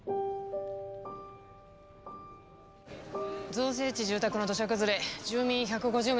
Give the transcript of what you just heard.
造成地住宅の土砂崩れ住民１５０名死亡。